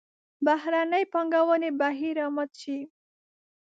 بهرنۍ پانګونې بهیر را مات شي.